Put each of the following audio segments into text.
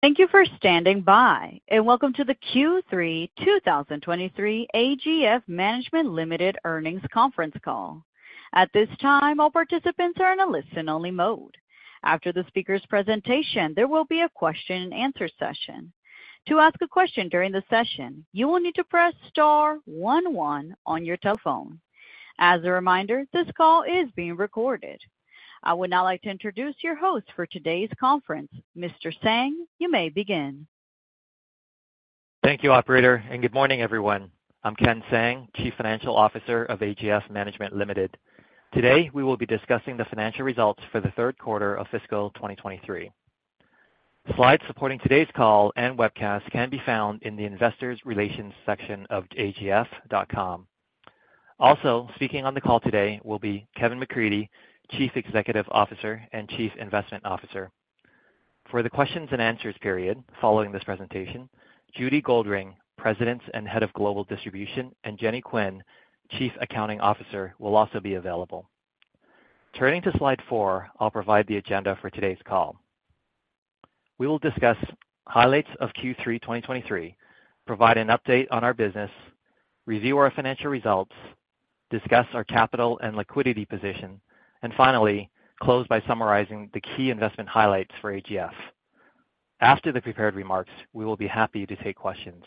Thank you for standing by, and welcome to the Q3 2023 AGF Management Limited Earnings Conference Call. At this time, all participants are in a listen-only mode. After the speaker's presentation, there will be a question and answer session. To ask a question during the session, you will need to press star one one on your telephone. As a reminder, this call is being recorded. I would now like to introduce your host for today's conference, Mr. Tsang. You may begin. Thank you, operator, and good morning, everyone. I'm Ken Tsang, Chief Financial Officer of AGF Management Limited. Today, we will be discussing the financial results for the third quarter of fiscal 2023. Slides supporting today's call and webcast can be found in the Investors Relations section of agf.com. Also speaking on the call today will be Kevin McCreadie, Chief Executive Officer and Chief Investment Officer. For the questions and answers period following this presentation, Judy Goldring, President and Head of Global Distribution, and Jenny Quinn, Chief Accounting Officer, will also be available. Turning to slide 4, I'll provide the agenda for today's call. We will discuss highlights of Q3 2023, provide an update on our business, review our financial results, discuss our capital and liquidity position, and finally, close by summarizing the key investment highlights for AGF. After the prepared remarks, we will be happy to take questions.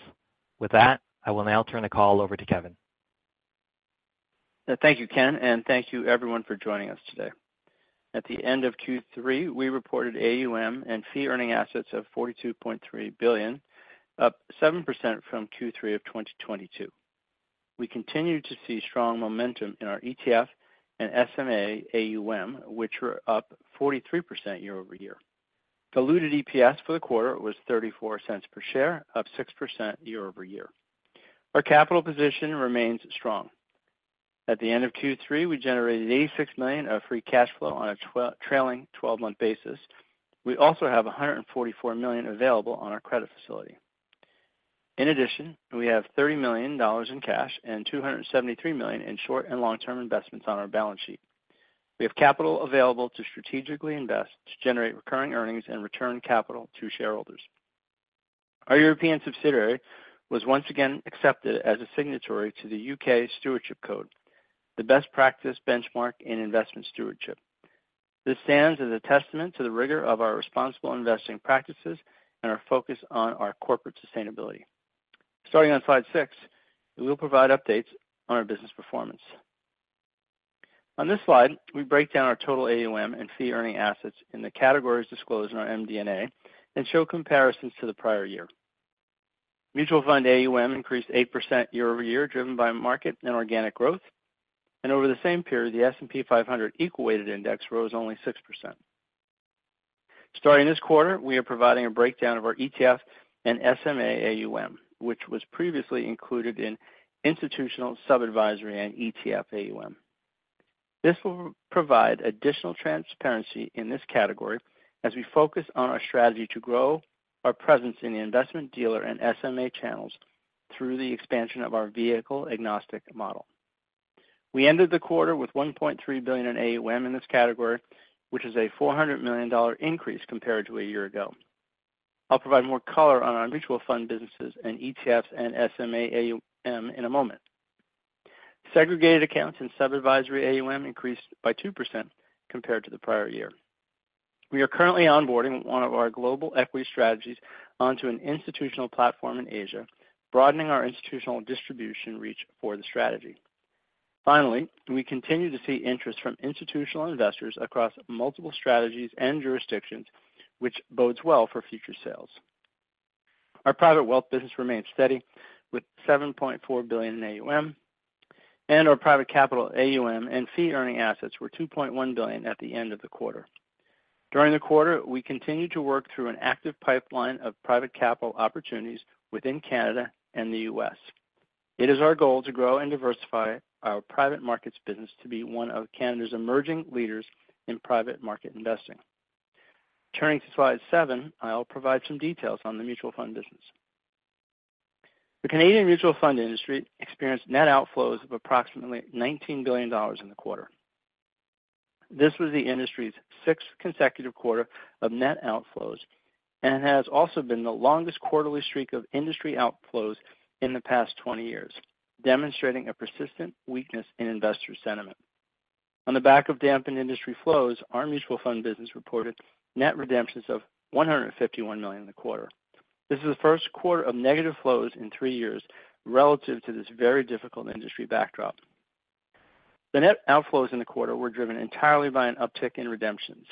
With that, I will now turn the call over to Kevin. Thank you, Ken, and thank you everyone for joining us today. At the end of Q3, we reported AUM and fee-earning assets of 42.3 billion, up 7% from Q3 of 2022. We continued to see strong momentum in our ETF and SMA AUM, which were up 43% year-over-year. Diluted EPS for the quarter was 0.34 per share, up 6% year-over-year. Our capital position remains strong. At the end of Q3, we generated 86 million of free cash flow on a trailing twelve-month basis. We also have 144 million available on our credit facility. In addition, we have 30 million dollars in cash and 273 million in short and long-term investments on our balance sheet. We have capital available to strategically invest, to generate recurring earnings and return capital to shareholders. Our European subsidiary was once again accepted as a signatory to the UK Stewardship Code, the best practice benchmark in investment stewardship. This stands as a testament to the rigor of our responsible investing practices and our focus on our corporate sustainability. Starting on slide six, we will provide updates on our business performance. On this slide, we break down our total AUM and fee-earning assets in the categories disclosed in our MD&A and show comparisons to the prior year. Mutual fund AUM increased 8% year-over-year, driven by market and organic growth, and over the same period, the S&P 500 Equal Weighted Index rose only 6%. Starting this quarter, we are providing a breakdown of our ETF and SMA AUM, which was previously included in institutional sub-advisory and ETF AUM. This will provide additional transparency in this category as we focus on our strategy to grow our presence in the investment dealer and SMA channels through the expansion of our vehicle-agnostic model. We ended the quarter with 1.3 billion in AUM in this category, which is a 400 million dollar increase compared to a year ago. I'll provide more color on our mutual fund businesses and ETFs and SMA AUM in a moment. Segregated accounts and sub-advisory AUM increased by 2% compared to the prior year. We are currently onboarding one of our global equity strategies onto an institutional platform in Asia, broadening our institutional distribution reach for the strategy. Finally, we continue to see interest from institutional investors across multiple strategies and jurisdictions, which bodes well for future sales. Our private wealth business remains steady, with 7.4 billion in AUM, and our private capital AUM and fee-earning assets were 2.1 billion at the end of the quarter. During the quarter, we continued to work through an active pipeline of private capital opportunities within Canada and the U.S. It is our goal to grow and diversify our private markets business to be one of Canada's emerging leaders in private market investing. Turning to slide seven, I'll provide some details on the mutual fund business. The Canadian mutual fund industry experienced net outflows of approximately 19 billion dollars in the quarter. This was the industry's 6th consecutive quarter of net outflows and has also been the longest quarterly streak of industry outflows in the past 20 years, demonstrating a persistent weakness in investor sentiment. On the back of dampened industry flows, our mutual fund business reported net redemptions of 151 million in the quarter. This is the first quarter of negative flows in three years relative to this very difficult industry backdrop. The net outflows in the quarter were driven entirely by an uptick in redemptions.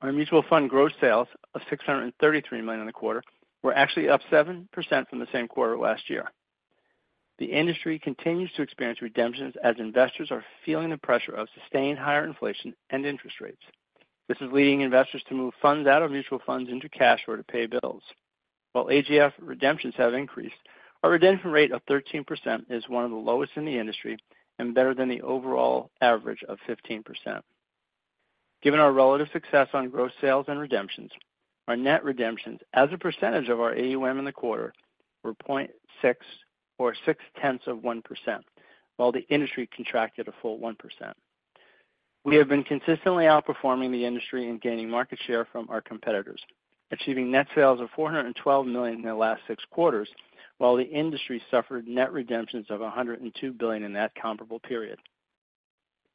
Our mutual fund gross sales of 633 million in the quarter were actually up 7% from the same quarter last year. The industry continues to experience redemptions as investors are feeling the pressure of sustained higher inflation and interest rates. This is leading investors to move funds out of mutual funds into cash or to pay bills. While AGF redemptions have increased, our redemption rate of 13% is one of the lowest in the industry and better than the overall average of 15%. Given our relative success on gross sales and redemptions, our net redemptions as a percentage of our AUM in the quarter were 0.6% or six-tenths of one percent, while the industry contracted a full 1%. We have been consistently outperforming the industry and gaining market share from our competitors, achieving net sales of 412 million in the last six quarters, while the industry suffered net redemptions of 102 billion in that comparable period.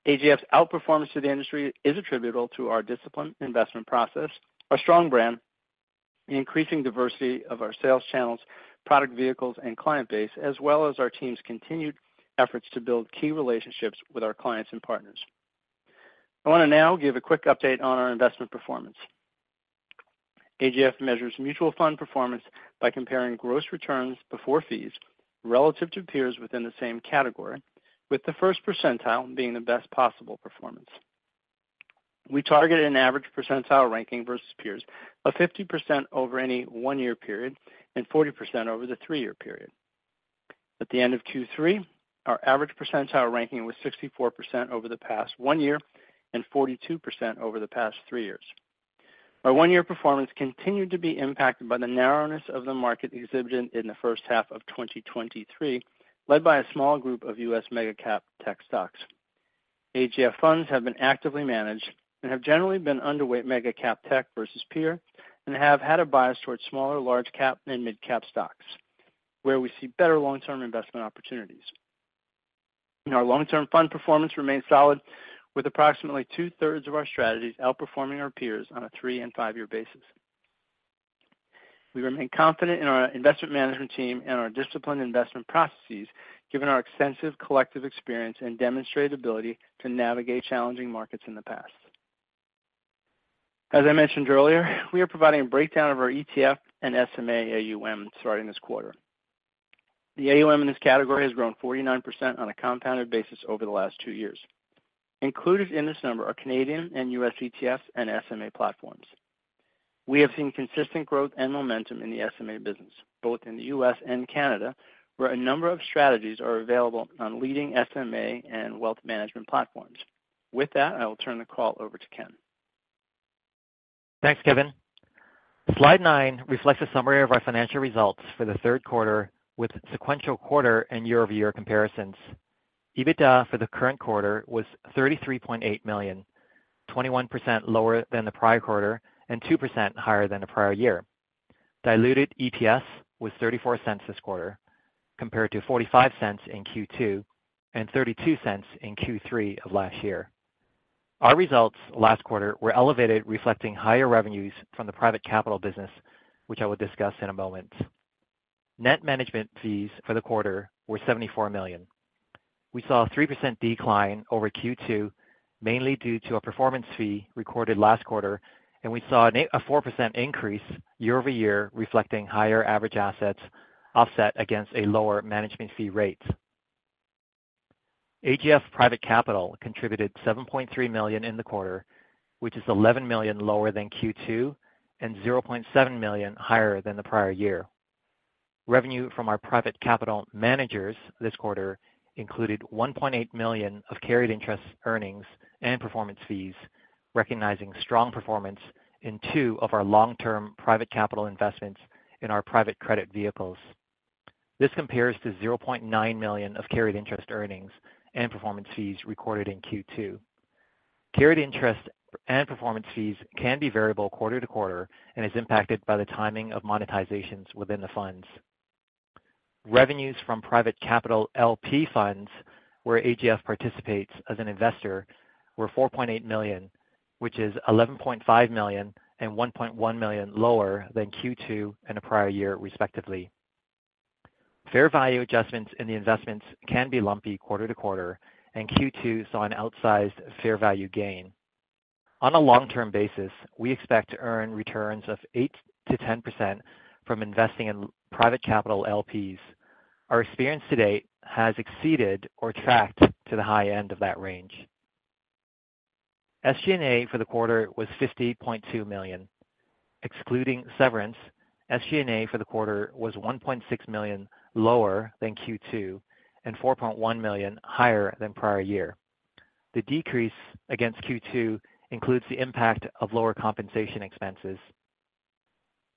AGF's outperformance to the industry is attributable to our disciplined investment process, our strong brand, the increasing diversity of our sales channels, product vehicles, and client base, as well as our team's continued efforts to build key relationships with our clients and partners. I want to now give a quick update on our investment performance. AGF measures mutual fund performance by comparing gross returns before fees relative to peers within the same category, with the first percentile being the best possible performance. We targeted an average percentile ranking versus peers of 50% over any one-year period and 40% over the three-year period. At the end of Q3, our average percentile ranking was 64% over the past one year and 42% over the past three years. Our one-year performance continued to be impacted by the narrowness of the market exhibited in the first half of 2023, led by a small group of U.S. mega cap tech stocks. AGF funds have been actively managed and have generally been underweight mega cap tech versus peer, and have had a bias towards smaller, large cap, and mid cap stocks, where we see better long-term investment opportunities. Our long-term fund performance remains solid, with approximately two-thirds of our strategies outperforming our peers on a 3- and 5-year basis. We remain confident in our investment management team and our disciplined investment processes, given our extensive collective experience and demonstrated ability to navigate challenging markets in the past. As I mentioned earlier, we are providing a breakdown of our ETF and SMA AUM starting this quarter. The AUM in this category has grown 49% on a compounded basis over the last two years. Included in this number are Canadian and U.S. ETFs and SMA platforms. We have seen consistent growth and momentum in the SMA business, both in the U.S. and Canada, where a number of strategies are available on leading SMA and Wealth Management platforms. With that, I will turn the call over to Ken. Thanks, Kevin. Slide 9 reflects a summary of our financial results for the third quarter with sequential quarter and year-over-year comparisons. EBITDA for the current quarter was 33.8 million, 21% lower than the prior quarter and 2% higher than the prior year. Diluted EPS was 0.34 this quarter, compared to 0.45 in Q2 and 0.32 in Q3 of last year. Our results last quarter were elevated, reflecting higher revenues from the private capital business, which I will discuss in a moment. Net management fees for the quarter were 74 million. We saw a 3% decline over Q2, mainly due to a performance fee recorded last quarter, and we saw a 4% increase year-over-year, reflecting higher average assets offset against a lower management fee rate. AGF Private Capital contributed 7.3 million in the quarter, which is 11 million lower than Q2 and 0.7 million higher than the prior year. Revenue from our private capital managers this quarter included 1.8 million of carried interest earnings and performance fees, recognizing strong performance in two of our long-term private capital investments in our private credit vehicles. This compares to 0.9 million of carried interest earnings and performance fees recorded in Q2. Carried interest and performance fees can be variable quarter to quarter and is impacted by the timing of monetizations within the funds. Revenues from private capital LP funds, where AGF participates as an investor, were 4.8 million, which is 11.5 million and 1.1 million lower than Q2 and the prior year, respectively. Fair value adjustments in the investments can be lumpy quarter to quarter, and Q2 saw an outsized fair value gain. On a long-term basis, we expect to earn returns of 8%-10% from investing in private capital LPs. Our experience to date has exceeded or tracked to the high end of that range. SG&A for the quarter was 50.2 million. Excluding severance, SG&A for the quarter was 1.6 million lower than Q2 and 4.1 million higher than prior year. The decrease against Q2 includes the impact of lower compensation expenses.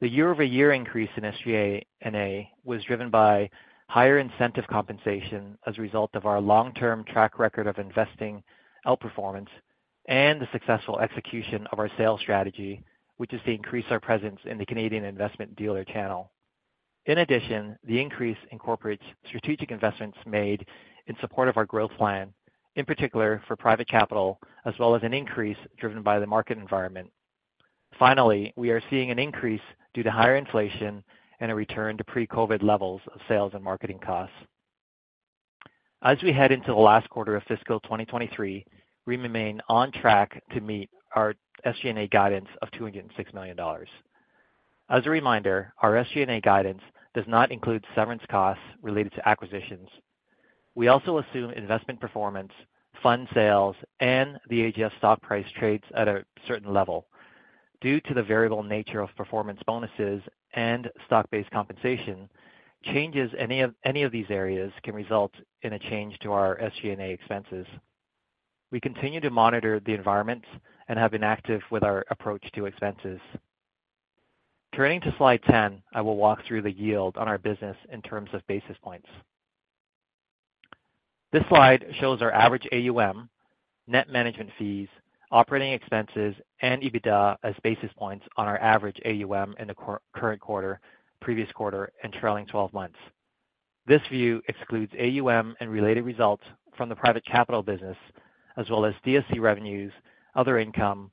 The year-over-year increase in SG&A was driven by higher incentive compensation as a result of our long-term track record of investing outperformance and the successful execution of our sales strategy, which is to increase our presence in the Canadian investment dealer channel. In addition, the increase incorporates strategic investments made in support of our growth plan, in particular for private capital, as well as an increase driven by the market environment. Finally, we are seeing an increase due to higher inflation and a return to pre-COVID levels of sales and marketing costs. As we head into the last quarter of fiscal 2023, we remain on track to meet our SG&A guidance of 206 million dollars. As a reminder, our SG&A guidance does not include severance costs related to acquisitions. We also assume investment performance, fund sales, and the AGF stock price trades at a certain level. Due to the variable nature of performance bonuses and stock-based compensation, changes in any of these areas can result in a change to our SG&A expenses. We continue to monitor the environment and have been active with our approach to expenses. Turning to slide 10, I will walk through the yield on our business in terms of basis points. This slide shows our average AUM, net management fees, operating expenses, and EBITDA as basis points on our average AUM in the current quarter, previous quarter, and trailing twelve months. This view excludes AUM and related results from the Private Capital Business, as well as DSC revenues, other income,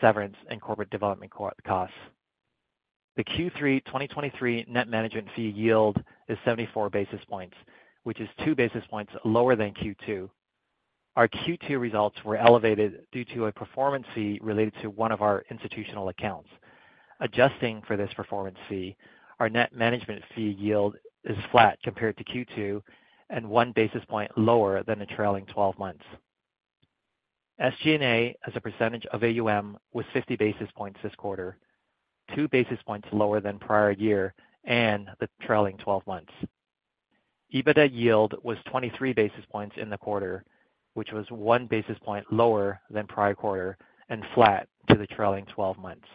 severance, and corporate development costs. The Q3 2023 net management fee yield is 74 basis points, which is two basis points lower than Q2. Our Q2 results were elevated due to a performance fee related to one of our institutional accounts. Adjusting for this performance fee, our net management fee yield is flat compared to Q2 and one basis point lower than the trailing twelve months. SG&A, as a percentage of AUM, was 50 basis points this quarter, two basis points lower than prior year and the trailing twelve months. EBITDA yield was 23 basis points in the quarter, which was one basis point lower than prior quarter and flat to the trailing twelve months.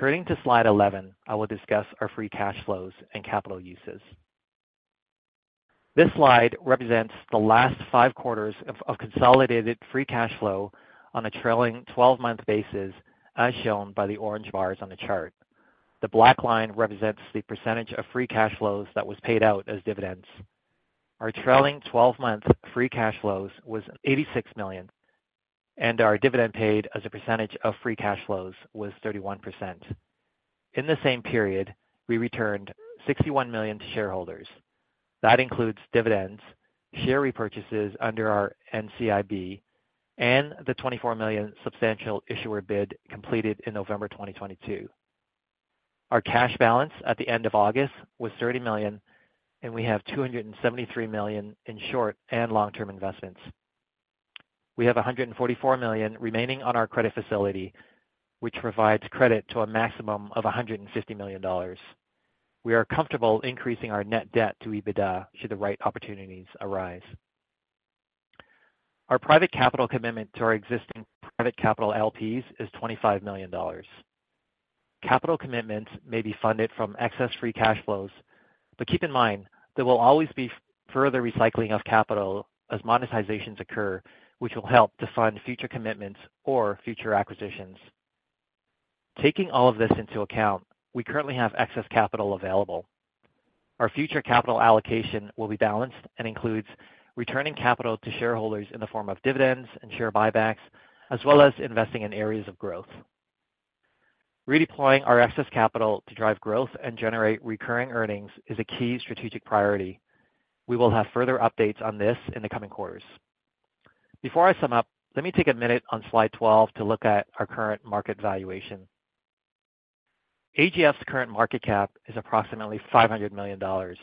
Turning to slide 11, I will discuss our free cash flows and capital uses. This slide represents the last five quarters of consolidated free cash flow on a trailing twelve-month basis, as shown by the orange bars on the chart. The black line represents the percentage of free cash flows that was paid out as dividends. Our trailing twelve-month free cash flows was 86 million, and our dividend paid as a percentage of free cash flows was 31%. In the same period, we returned 61 million to shareholders. That includes dividends, share repurchases under our NCIB, and the 24 million substantial issuer bid completed in November 2022. Our cash balance at the end of August was 30 million, and we have 273 million in short and long-term investments. We have 144 million remaining on our credit facility, which provides credit to a maximum of 150 million dollars. We are comfortable increasing our net debt to EBITDA should the right opportunities arise. Our private capital commitment to our existing private capital LPs is 25 million dollars. Capital commitments may be funded from excess free cash flows, but keep in mind, there will always be further recycling of capital as monetizations occur, which will help to fund future commitments or future acquisitions. Taking all of this into account, we currently have excess capital available. Our future capital allocation will be balanced and includes returning capital to shareholders in the form of dividends and share buybacks, as well as investing in areas of growth. Redeploying our excess capital to drive growth and generate recurring earnings is a key strategic priority. We will have further updates on this in the coming quarters. Before I sum up, let me take a minute on slide 12 to look at our current market valuation. AGF's current market cap is approximately 500 million dollars.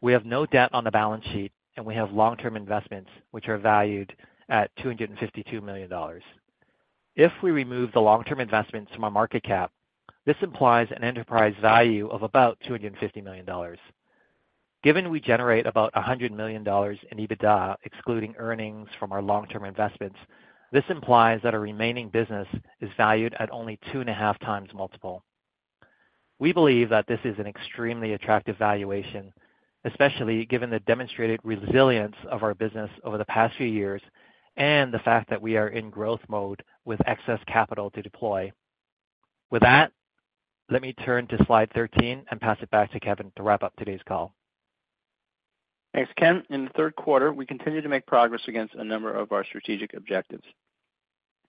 We have no debt on the balance sheet, and we have long-term investments, which are valued at 252 million dollars. If we remove the long-term investments from our market cap, this implies an enterprise value of about 250 million dollars. Given we generate about 100 million dollars in EBITDA, excluding earnings from our long-term investments, this implies that our remaining business is valued at only 2.5x multiple. We believe that this is an extremely attractive valuation, especially given the demonstrated resilience of our business over the past few years and the fact that we are in growth mode with excess capital to deploy. With that, let me turn to slide 13 and pass it back to Kevin to wrap up today's call. Thanks, Ken. In the third quarter, we continued to make progress against a number of our strategic objectives.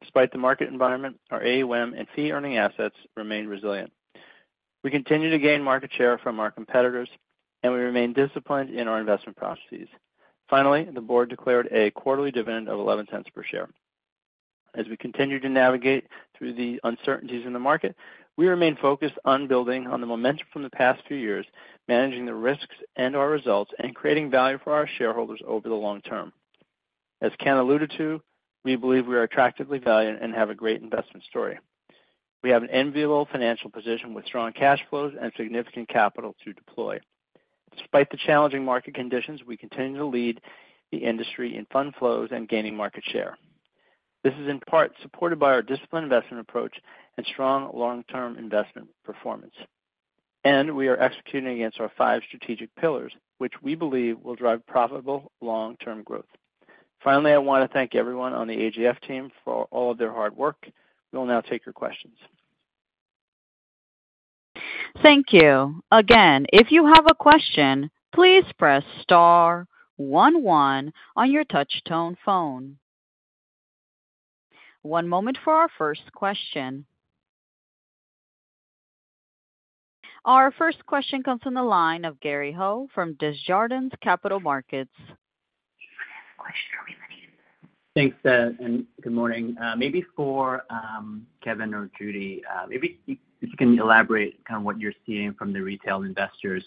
Despite the market environment, our AUM and fee-earning assets remained resilient. We continue to gain market share from our competitors, and we remain disciplined in our investment processes. Finally, the board declared a quarterly dividend of 0.11 per share. As we continue to navigate through the uncertainties in the market, we remain focused on building on the momentum from the past few years, managing the risks and our results, and creating value for our shareholders over the long term. As Ken alluded to, we believe we are attractively valued and have a great investment story. We have an enviable financial position with strong cash flows and significant capital to deploy. Despite the challenging market conditions, we continue to lead the industry in fund flows and gaining market share. This is in part supported by our disciplined investment approach and strong long-term investment performance. We are executing against our five strategic pillars, which we believe will drive profitable long-term growth. Finally, I want to thank everyone on the AGF team for all of their hard work. We'll now take your questions. Thank you. Again, if you have a question, please press star one one on your touchtone phone. One moment for our first question. Our first question comes from the line of Gary Ho from Desjardins Capital Markets. Thanks, and good morning. Maybe for Kevin or Judy, maybe if you can elaborate kind of what you're seeing from the retail investors.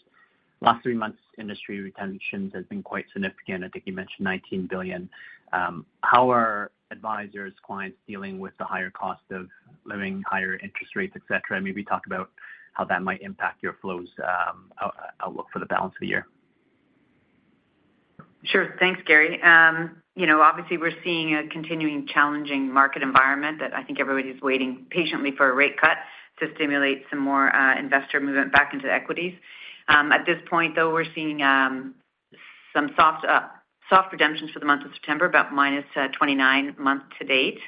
Last three months, industry retentions has been quite significant. I think you mentioned 19 billion. How are advisors, clients dealing with the higher cost of living, higher interest rates, et cetera? Maybe talk about how that might impact your flows, outlook for the balance of the year? Sure. Thanks, Gary. You know, obviously, we're seeing a continuing challenging market environment, that I think everybody's waiting patiently for a rate cut to stimulate some more, investor movement back into equities. At this point, though, we're seeing some soft redemptions for the month of September, about minus 29 month to date.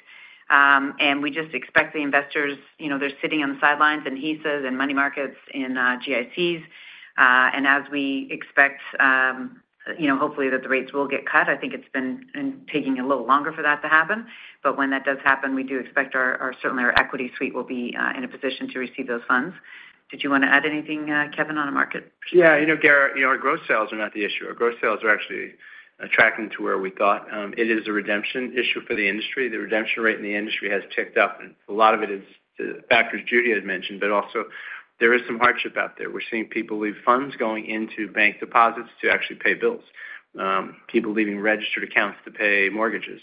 And we just expect the investors, you know, they're sitting on the sidelines in HISAs and money markets, in GICs. And as we expect, you know, hopefully, that the rates will get cut, I think it's been taking a little longer for that to happen. But when that does happen, we do expect our certainly, our equity suite will be in a position to receive those funds. Did you wanna add anything, Kevin, on the market? Yeah, you know, Gary, you know, our growth sales are not the issue. Our growth sales are actually attracting to where we thought. It is a redemption issue for the industry. The redemption rate in the industry has ticked up, and a lot of it is the factors Judy had mentioned, but also there is some hardship out there. We're seeing people leave funds going into bank deposits to actually pay bills, people leaving registered accounts to pay mortgages.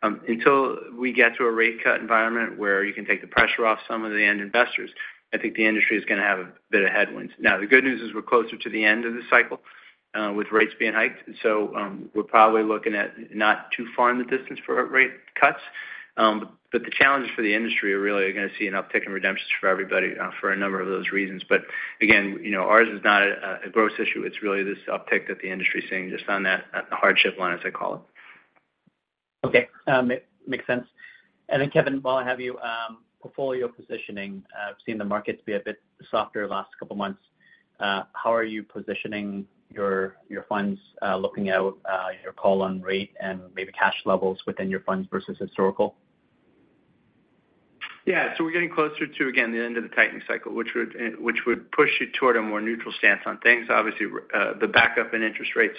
Until we get to a rate cut environment where you can take the pressure off some of the end investors, I think the industry is gonna have a bit of headwinds. Now, the good news is we're closer to the end of the cycle, with rates being hiked, so, we're probably looking at not too far in the distance for rate cuts. But the challenges for the industry are really, you're gonna see an uptick in redemptions for everybody, for a number of those reasons. But again, you know, ours is not a growth issue. It's really this uptick that the industry is seeing just on that hardship line, as I call it. Okay, it makes sense. And then, Kevin, while I have you, portfolio positioning, we've seen the market to be a bit softer the last couple of months. How are you positioning your, your funds, looking out, your call-on rate and maybe cash levels within your funds versus historical? Yeah, so we're getting closer to, again, the end of the tightening cycle, which would push you toward a more neutral stance on things. Obviously, the backup in interest rates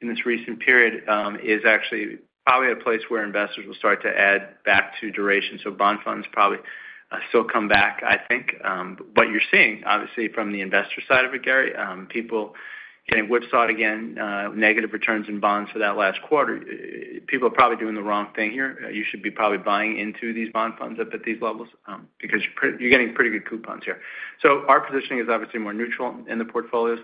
in this recent period is actually probably a place where investors will start to add back to duration. So bond funds probably still come back, I think. But you're seeing, obviously, from the investor side of it, Gary, people getting whipsawed again, negative returns in bonds for that last quarter. People are probably doing the wrong thing here. You should be probably buying into these bond funds up at these levels, because you're getting pretty good coupons here. So our positioning is obviously more neutral in the portfolios.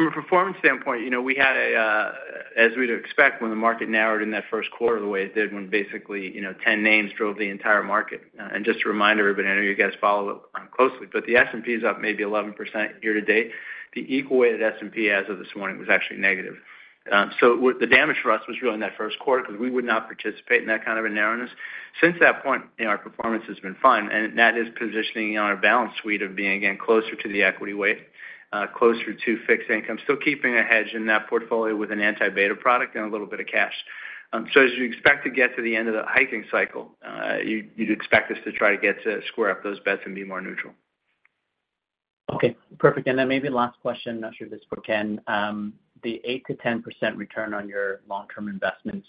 From a performance standpoint, you know, we had a, As we'd expect, when the market narrowed in that first quarter, the way it did, when basically, you know, 10 names drove the entire market. And just to remind everybody, I know you guys follow it closely, but the S&P is up maybe 11% year to date. The equal weighted S&P as of this morning, was actually negative. So the damage for us was really in that first quarter, because we would not participate in that kind of a narrowness. Since that point, you know, our performance has been fine, and that is positioning on our balance suite of being, again, closer to the equity weight, closer to fixed income. Still keeping a hedge in that portfolio with an anti-beta product and a little bit of cash. So as you expect to get to the end of the hiking cycle, you'd expect us to try to square up those bets and be more neutral. Okay, perfect. And then maybe last question, not sure if it's for Ken. The 8%-10% return on your long-term investments,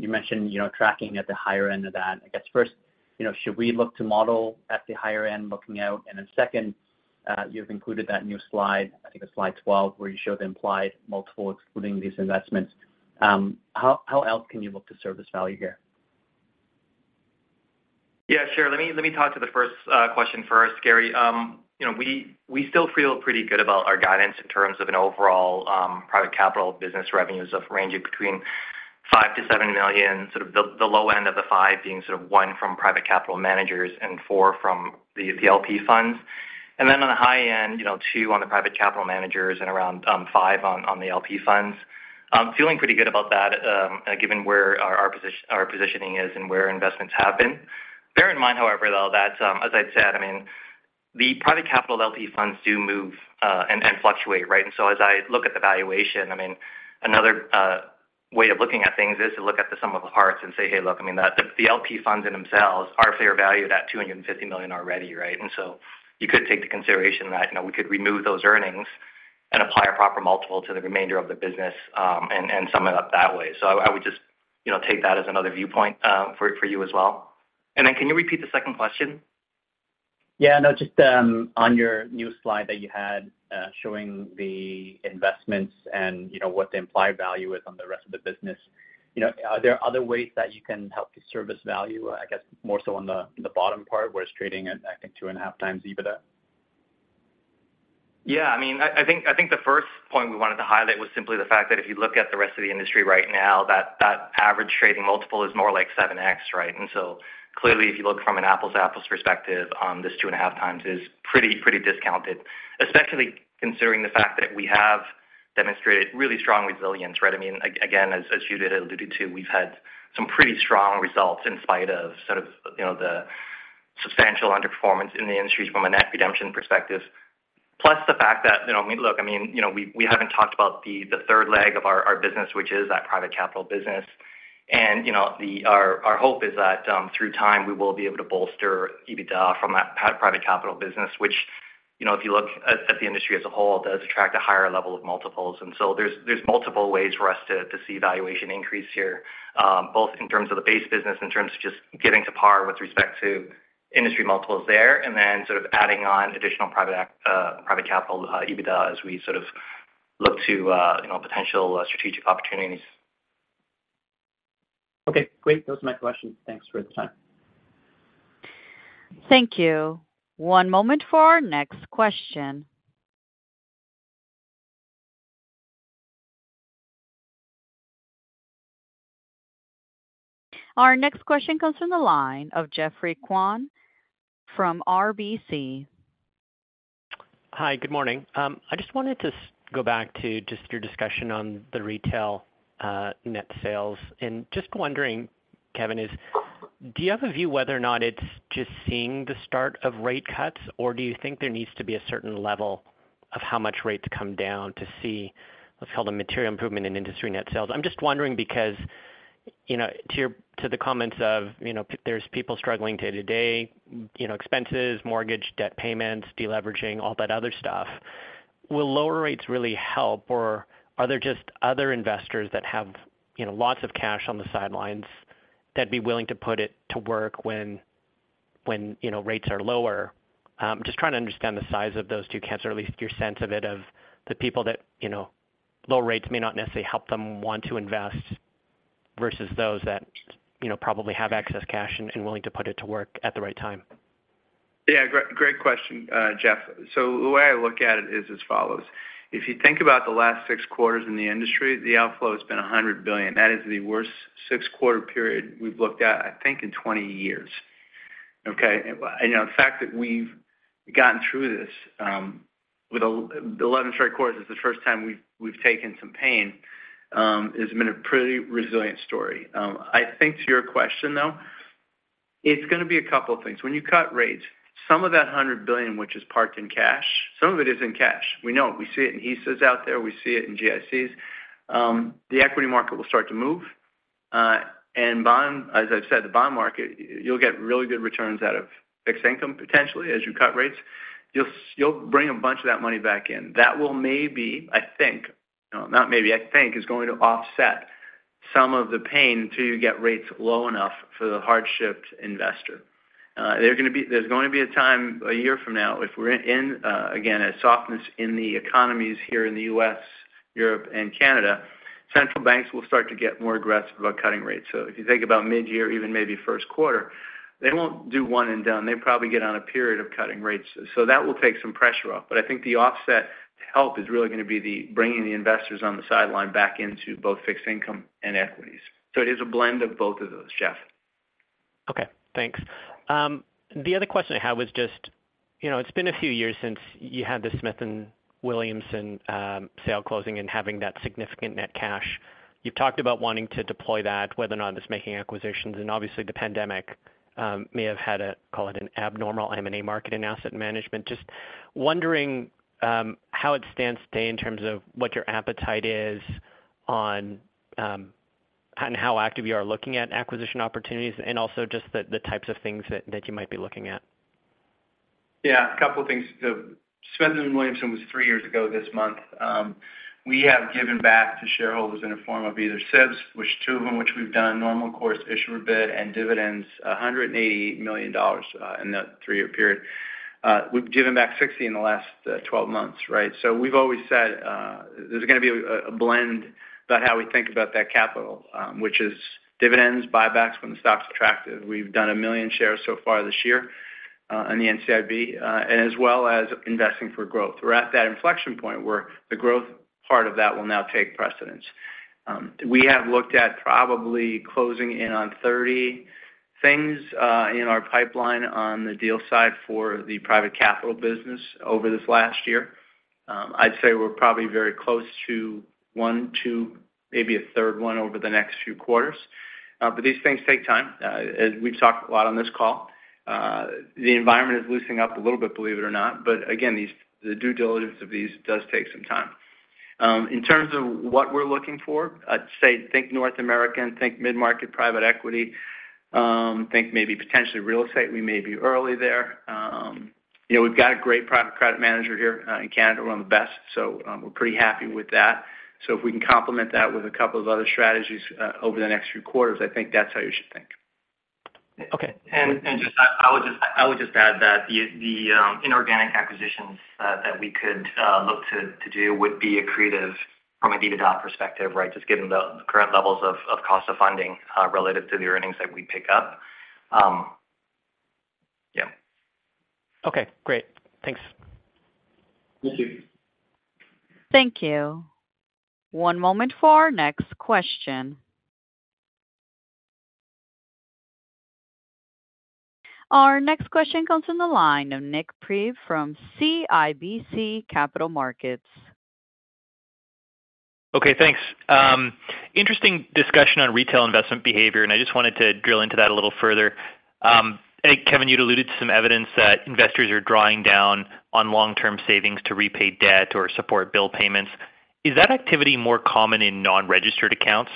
you mentioned, you know, tracking at the higher end of that. I guess first, you know, should we look to model at the higher end, looking out? And then second, you've included that new slide, I think it's slide 12, where you show the implied multiple, excluding these investments. How else can you look to serve this value here? Yeah, sure. Let me, let me talk to the first question first, Gary. You know, we, we still feel pretty good about our guidance in terms of an overall private capital business revenues of ranging between 5 million-7 million, sort of the low end of the 5 being sort of 1 from private capital managers and 4 from the LP funds. And then on the high end, you know, 2 on the private capital managers and around 5 on the LP funds. I'm feeling pretty good about that, given where our positioning is and where investments have been. Bear in mind, however, though, that as I'd said, I mean, the private capital LP funds do move and fluctuate, right? And so as I look at the valuation, I mean, another way of looking at things is to look at the sum of the parts and say, hey, look, I mean, the LP funds in themselves are fair valued at 250 million already, right? And so you could take into consideration that, you know, we could remove those earnings and apply a proper multiple to the remainder of the business, and sum it up that way. So I would just, you know, take that as another viewpoint, for you as well. And then can you repeat the second question? Yeah, no, just on your new slide that you had showing the investments and, you know, what the implied value is on the rest of the business, you know, are there other ways that you can help to service value? I guess, more so on the bottom part, where it's trading at, I think, 2.5 times EBITDA. Yeah, I mean, I think the first point we wanted to highlight was simply the fact that if you look at the rest of the industry right now, that average trading multiple is more like 7x, right? And so clearly, if you look from an apples-to-apples perspective, this 2.5x is pretty discounted, especially considering the fact that we have demonstrated really strong resilience, right? I mean, again, as you alluded to, we've had some pretty strong results in spite of sort of, you know, the substantial underperformance in the industry from a net redemption perspective. Plus, the fact that, you know, I mean, look, I mean, you know, we haven't talked about the third leg of our business, which is that private capital business. And, you know, Our hope is that through time, we will be able to bolster EBITDA from that private capital business, which, you know, if you look at the industry as a whole, does attract a higher level of multiples. And so there's multiple ways for us to see valuation increase here, both in terms of the base business, in terms of just getting to par with respect to industry multiples there, and then sort of adding on additional private capital EBITDA, as we sort of look to you know, potential strategic opportunities. Okay, great. Those are my questions. Thanks for the time. Thank you. One moment for our next question. Our next question comes from the line of Geoffrey Kwan from RBC. Hi, good morning. I just wanted to go back to just your discussion on the retail net sales. Just wondering, Kevin, do you have a view whether or not it's just seeing the start of rate cuts, or do you think there needs to be a certain level of how much rate to come down to see, let's call it, a material improvement in industry net sales? I'm just wondering because, you know, to your, to the comments of, you know, there's people struggling day to day, you know, expenses, mortgage, debt payments, deleveraging, all that other stuff. Will lower rates really help, or are there just other investors that have, you know, lots of cash on the sidelines that'd be willing to put it to work when, when, you know, rates are lower? Just trying to understand the size of those two camps, or at least your sense of it, of the people that, you know, low rates may not necessarily help them want to invest, versus those that, you know, probably have excess cash and willing to put it to work at the right time. Yeah, great, great question, Geoff. So the way I look at it is as follows: if you think about the last 6 quarters in the industry, the outflow has been 100 billion. That is the worst six-quarter period we've looked at, I think, in 20 years. Okay, and, you know, the fact that we've gotten through this, with 11 straight quarters is the first time we've taken some pain, it's been a pretty resilient story. I think to your question, though, it's gonna be a couple of things. When you cut rates, some of that 100 billion, which is parked in cash, some of it is in cash. We know it. We see it in ESAs out there, we see it in GICs. The equity market will start to move, and bond, as I've said, the bond market, you'll get really good returns out of fixed income, potentially, as you cut rates. You'll bring a bunch of that money back in. That will maybe, I think, not maybe, I think, is going to offset some of the pain until you get rates low enough for the hardship investor. There's gonna be, there's going to be a time, a year from now, if we're in, again, a softness in the economies here in the U.S., Europe, and Canada, central banks will start to get more aggressive about cutting rates. So if you think about mid-year, even maybe first quarter, they won't do one and done. They probably get on a period of cutting rates. So that will take some pressure off. But I think the offset to help is really gonna be the bringing the investors on the sideline back into both fixed income and equities. So it is a blend of both of those, Geoff. Okay, thanks. The other question I had was just, you know, it's been a few years since you had the Smith & Williamson sale closing and having that significant net cash. You've talked about wanting to deploy that, whether or not it's making acquisitions, and obviously, the pandemic may have had a, call it an abnormal M&A market in asset management. Just wondering how it stands today in terms of what your appetite is on, and how active you are looking at acquisition opportunities, and also just the types of things that you might be looking at. Yeah, a couple of things. The Smith & Williamson was three years ago this month. We have given back to shareholders in the form of either SIBs, which two of them, which we've done, normal course issuer bid and dividends, 180 million dollars in that three-year period. We've given back 60 million in the last 12 months, right? So we've always said, there's gonna be a blend about how we think about that capital, which is dividends, buybacks, when the stock's attractive. We've done 1 million shares so far this year on the NCIB, as well as investing for growth. We're at that inflection point where the growth part of that will now take precedence. We have looked at probably closing in on 30 things in our pipeline on the deal side for the private capital business over this last year. I'd say we're probably very close to one, two, maybe a third one over the next few quarters. But these things take time. As we've talked a lot on this call, the environment is loosening up a little bit, believe it or not. But again, these, the due diligence of these does take some time. In terms of what we're looking for, I'd say think North American, think mid-market, private equity, think maybe potentially real estate. We may be early there. You know, we've got a great private credit manager here in Canada. We're one of the best, so we're pretty happy with that. If we can complement that with a couple of other strategies, over the next few quarters, I think that's how you should think. Okay. I would just add that the inorganic acquisitions that we could look to do would be accretive from a dollar perspective, right? Just given the current levels of cost of funding relative to the earnings that we pick up. Yeah. Okay, great. Thanks. Thank you. Thank you. One moment for our next question. Our next question comes from the line of Nik Priebe from CIBC Capital Markets. Okay, thanks. Interesting discussion on retail investment behavior, and I just wanted to drill into that a little further. I think, Kevin, you'd alluded to some evidence that investors are drawing down on long-term savings to repay debt or support bill payments. Is that activity more common in non-registered accounts?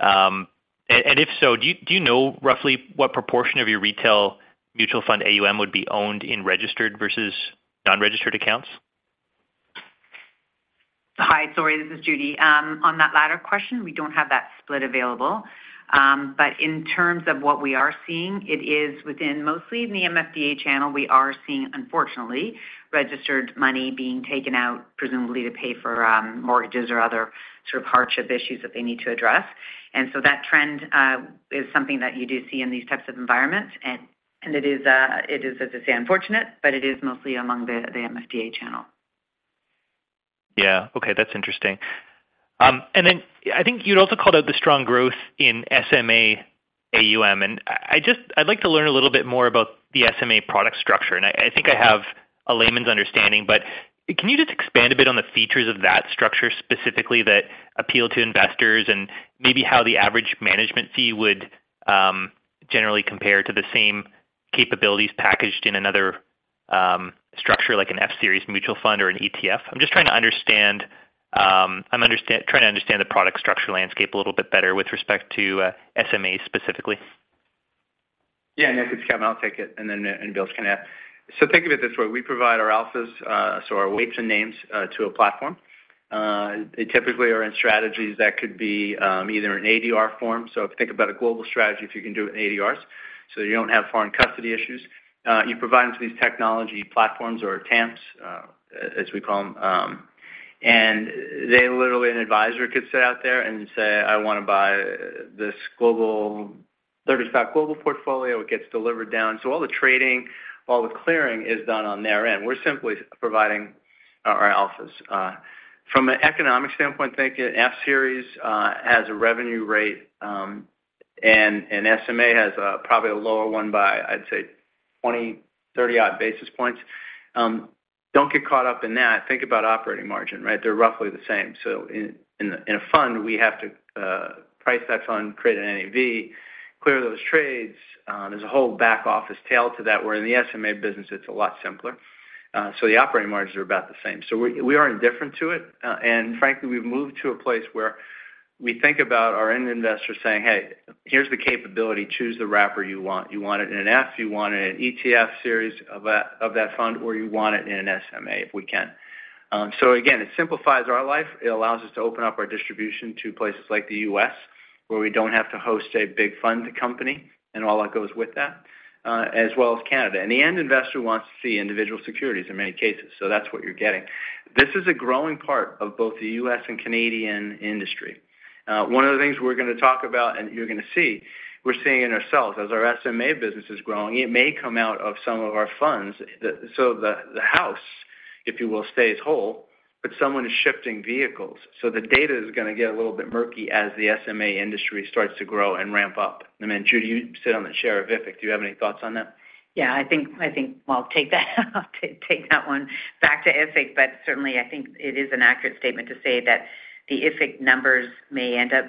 And if so, do you, do you know roughly what proportion of your retail mutual fund AUM would be owned in registered versus non-registered accounts? Hi, sorry, this is Judy. On that latter question, we don't have that split available. But in terms of what we are seeing, it is within mostly the MFDA channel. We are seeing, unfortunately, registered money being taken out, presumably to pay for mortgages or other sort of hardship issues that they need to address. And so that trend is something that you do see in these types of environments, and it is, as I say, unfortunate, but it is mostly among the MFDA channel. Yeah. Okay, that's interesting. And then I think you'd also called out the strong growth in SMA AUM, and I just—I'd like to learn a little bit more about the SMA product structure. And I think I have a layman's understanding, but can you just expand a bit on the features of that structure, specifically that appeal to investors and maybe how the average management fee would generally compare to the same capabilities packaged in another structure, like an F-series mutual fund or an ETF? I'm just trying to understand trying to understand the product structure landscape a little bit better with respect to SMA specifically. Yeah, and this is Kevin, I'll take it, and then, and Bill's going to add. So think of it this way: We provide our alphas, so our weights and names, to a platform. They typically are in strategies that could be either in ADR form. So if you think about a global strategy, if you can do it in ADRs, so you don't have foreign custody issues. You provide them to these technology platforms or TAMPs as we call them, and they literally, an advisor could sit out there and say, "I want to buy this global, 30-stock global portfolio." It gets delivered down. So all the trading, all the clearing is done on their end. We're simply providing our alphas. From an economic standpoint, think F-series has a revenue rate, and SMA has probably a lower one by, I'd say, 20-30-odd basis points. Don't get caught up in that. Think about operating margin, right? They're roughly the same. So in a fund, we have to price that fund, create an NAV, clear those trades. There's a whole back office tail to that, where in the SMA business, it's a lot simpler. So the operating margins are about the same. So we are indifferent to it. And frankly, we've moved to a place where we think about our end investors saying, "Hey, here's the capability. Choose the wrapper you want. You want it in an F, you want it in an ETF series of that, of that fund, or you want it in an SMA, if we can." So again, it simplifies our life. It allows us to open up our distribution to places like the U.S., where we don't have to host a big fund company and all that goes with that, as well as Canada. And the end investor wants to see individual securities in many cases, so that's what you're getting. This is a growing part of both the U.S. and Canadian industry. One of the things we're going to talk about, and you're going to see, we're seeing in ourselves, as our SMA business is growing, it may come out of some of our funds. So the, the house, if you will, stays whole, but someone is shifting vehicles. So the data is going to get a little bit murky as the SMA industry starts to grow and ramp up. Then, Judy, you sit on the chair of IFIC. Do you have any thoughts on that? Yeah, I think I'll take that one back to IFIC, but certainly, I think it is an accurate statement to say that the IFIC numbers may end up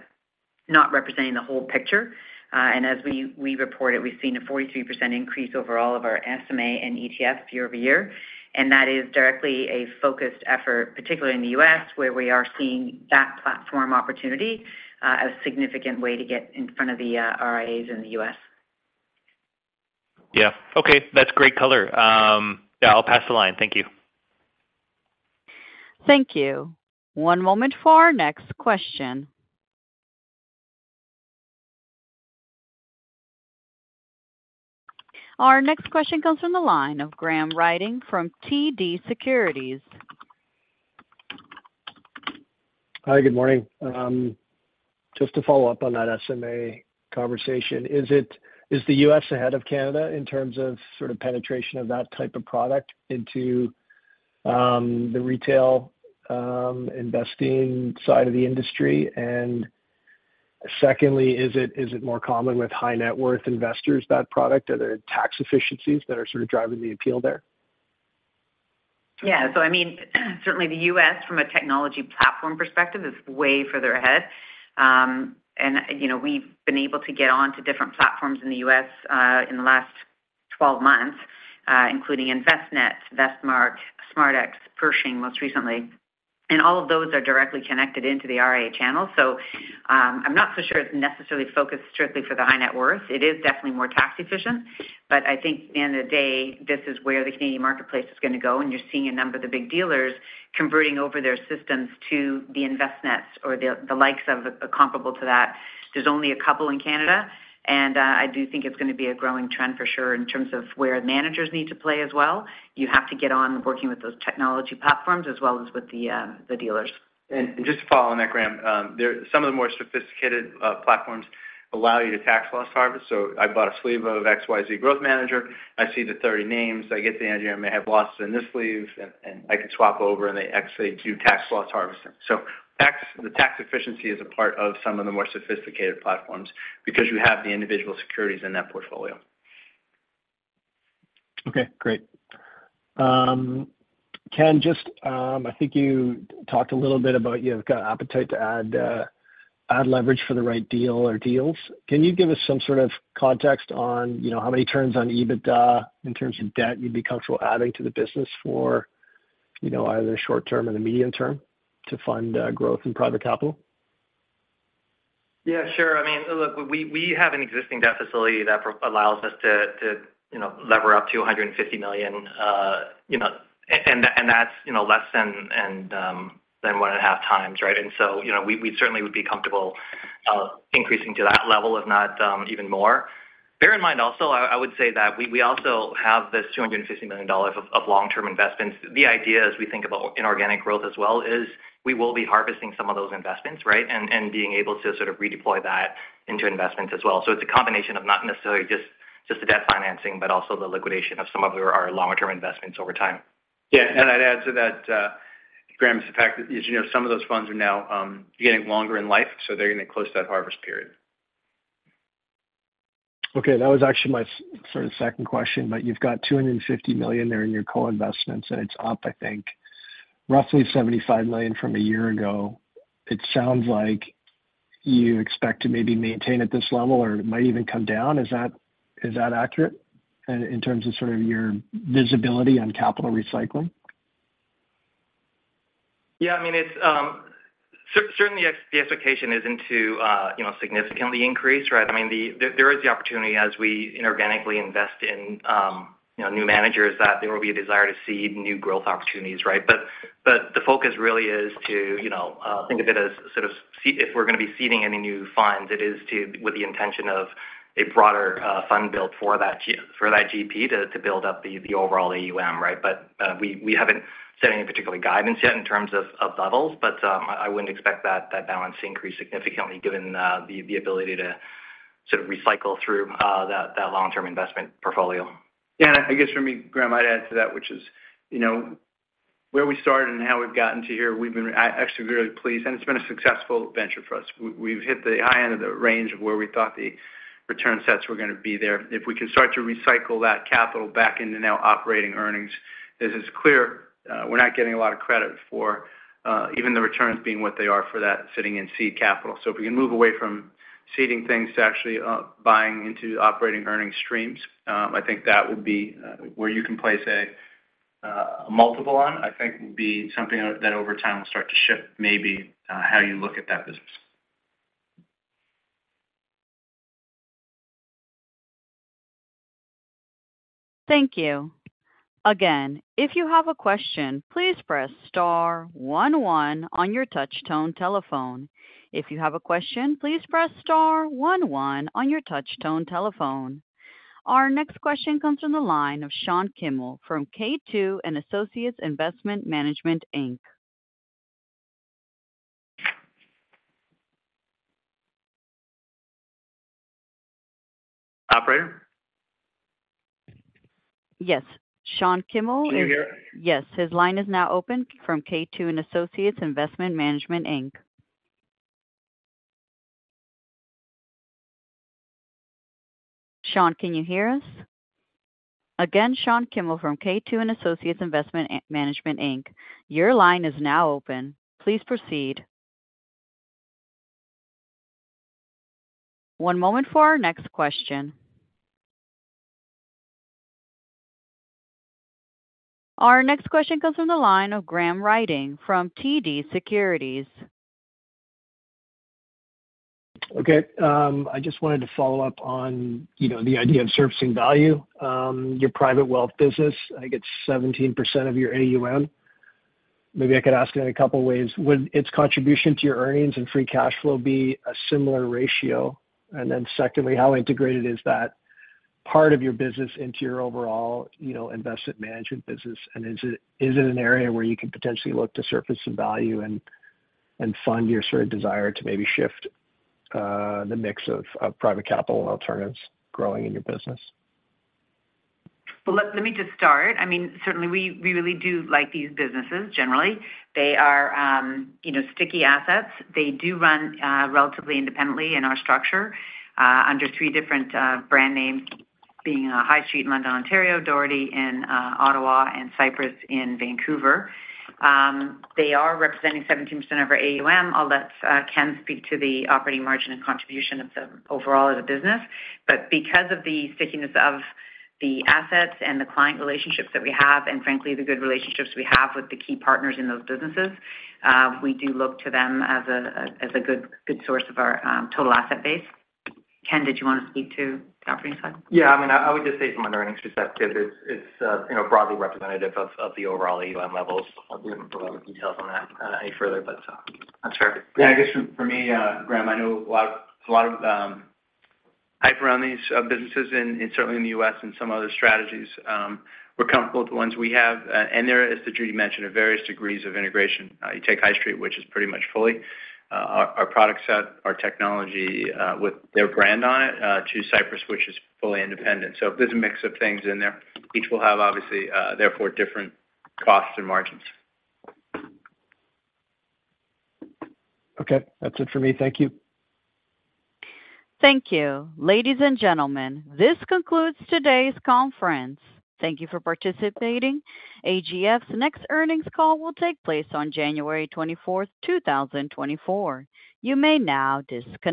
not representing the whole picture. And as we reported, we've seen a 43% increase over all of our SMA and ETF year-over-year, and that is directly a focused effort, particularly in the U.S., where we are seeing that platform opportunity as a significant way to get in front of the RIAs in the U.S. Yeah. Okay, that's great color. Yeah, I'll pass the line. Thank you. Thank you. One moment for our next question. Our next question comes from the line of Graham Ryding from TD Securities. Hi, good morning. Just to follow up on that SMA conversation, is the US ahead of Canada in terms of sort of penetration of that type of product into the retail investing side of the industry? And secondly, is it more common with high net worth investors, that product? Are there tax efficiencies that are sort of driving the appeal there? Yeah. So I mean, certainly the U.S., from a technology platform perspective, is way further ahead. And, you know, we've been able to get on to different platforms in the U.S., in the last 12 months, including Investnet, Vestmark, SmartX, Pershing, most recently. And all of those are directly connected into the RIA channel. So, I'm not so sure it's necessarily focused strictly for the high net worth. It is definitely more tax efficient, but I think at the end of the day, this is where the Canadian marketplace is going to go, and you're seeing a number of the big dealers converting over their systems to the Investnets or the likes of a comparable to that. There's only a couple in Canada, and I do think it's going to be a growing trend for sure in terms of where managers need to play as well. You have to get on working with those technology platforms as well as with the dealers. And just to follow on that, Graham, some of the more sophisticated platforms allow you to tax loss harvest. So I bought a sleeve of XYZ growth manager. I see the 30 names. I get the idea I may have losses in this sleeve, and I can swap over, and they actually do tax loss harvesting. So the tax efficiency is a part of some of the more sophisticated platforms because you have the individual securities in that portfolio. Okay, great. Ken, just, I think you talked a little bit about you've got appetite to add add leverage for the right deal or deals. Can you give us some sort of context on, you know, how many turns on EBITDA in terms of debt you'd be comfortable adding to the business for, you know, either the short term or the medium term to fund growth in private capital? Yeah, sure. I mean, look, we have an existing debt facility that allows us to, you know, lever up to 150 million, you know, and that's, you know, less than 1.5 times, right? So, you know, we certainly would be comfortable increasing to that level, if not even more. Bear in mind also, I would say that we also have this 250 million dollars of long-term investments. The idea, as we think about inorganic growth as well, is we will be harvesting some of those investments, right? And being able to sort of redeploy that into investments as well. So it's a combination of not necessarily just the debt financing, but also the liquidation of some of our longer-term investments over time. Yeah, and I'd add to that, Graham, is the fact that, as you know, some of those funds are now getting longer in life, so they're going to close that harvest period. Okay, that was actually my sort of second question. But you've got 250 million there in your co-investments, and it's up, I think, roughly 75 million from a year ago. It sounds like you expect to maybe maintain at this level or it might even come down. Is that, is that accurate in terms of sort of your visibility on capital recycling? Yeah, I mean, it's certainly the expectation isn't to, you know, significantly increase, right? I mean, there is the opportunity as we inorganically invest in, you know, new managers, that there will be a desire to seed new growth opportunities, right? But the focus really is to, you know, think of it as sort of, if we're going to be seeding any new funds, it is to with the intention of a broader fund build for that GP to build up the overall AUM, right? But we haven't set any particular guidance yet in terms of levels, but I wouldn't expect that balance to increase significantly given the ability to sort of recycle through that long-term investment portfolio. Yeah, and I guess for me, Graham, I'd add to that, which is, you know, where we started and how we've gotten to here, we've been actually very pleased, and it's been a successful venture for us. We've hit the high end of the range of where we thought the return sets were going to be there. If we can start to recycle that capital back into now operating earnings, this is clear, we're not getting a lot of credit for even the returns being what they are for that sitting in seed capital. So if we can move away from seeding things to actually buying into operating earning streams, I think that would be where you can place a multiple on, I think would be something that over time will start to shift, maybe how you look at that business. Thank you. Again, if you have a question, please press star one one on your touch tone telephone. If you have a question, please press star one one on your touch tone telephone. Our next question comes from the line of Shawn Kimel from K2 & Associates Investment Management Inc. Operator? Yes, Shawn Kimel- Is he here? Yes. His line is now open from K2 & Associates Investment Management Inc. Sean, can you hear us? Again, Sean Kimmel from K2 & Associates Investment Management Inc., your line is now open. Please proceed. One moment for our next question. Our next question comes from the line of Graham Ryding from TD Securities. Okay, I just wanted to follow up on, you know, the idea of servicing value. Your private wealth business, I think it's 17% of your AUM. Maybe I could ask it in a couple of ways. Would its contribution to your earnings and free cash flow be a similar ratio? And then secondly, how integrated is that part of your business into your overall, you know, investment management business, and is it an area where you can potentially look to surface some value and fund your sort of desire to maybe shift the mix of private capital and alternatives growing in your business? Well, let me just start. I mean, certainly we really do like these businesses, generally. They are, you know, sticky assets. They do run relatively independently in our structure under three different brand names, being Highstreet in London, Ontario, Doherty in Ottawa, and Cypress in Vancouver. They are representing 17% of our AUM. I'll let Ken speak to the operating margin and contribution of the overall of the business. But because of the stickiness of the assets and the client relationships that we have, and frankly, the good relationships we have with the key partners in those businesses, we do look to them as a good source of our total asset base. Ken, did you want to speak to the operating side? Yeah, I mean, I would just say from an earnings perspective, it's you know, broadly representative of the overall AUM levels. I wouldn't go into details on that any further, but I'm sure. Yeah, I guess for me, Graham, I know a lot, a lot of hype around these businesses and certainly in the U.S. and some other strategies. We're comfortable with the ones we have. And there is, as Judy mentioned, are various degrees of integration. You take Highstreet, which is pretty much fully our product set, our technology with their brand on it, to Cypress, which is fully independent. So there's a mix of things in there. Each will have obviously therefore different costs and margins. Okay, that's it for me. Thank you. Thank you. Ladies and gentlemen, this concludes today's conference. Thank you for participating. AGF's next earnings call will take place on January 24th, 2024. You may now disconnect.